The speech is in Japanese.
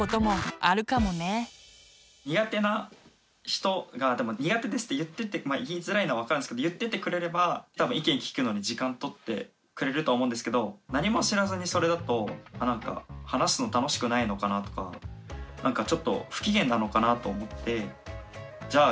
苦手な人が「苦手です」って言いづらいのは分かるんですけど言っててくれれば多分意見聞くのに時間取ってくれるとは思うんですけど何も知らずにそれだとなんか話すの楽しくないのかなとかなんかちょっと不機嫌なのかなと思ってじゃあ